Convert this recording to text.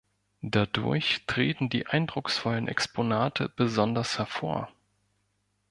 Dadurch treten die eindrucksvollen Exponate besonders hervor.